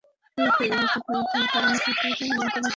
সড়কের অবস্থার খারাপ হওয়ার কারণে সপ্তাহে তিন দিন কলেজে যাতায়াত করি।